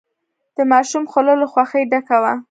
د ماشوم خوله له خوښۍ ډکه وه.